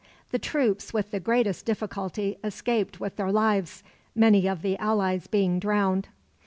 The troops with the greatest difficulty escaped with their lives, many of the allies being drowned.